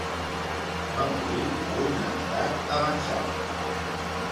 Va morir a una edat avançada.